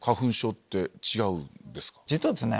実はですね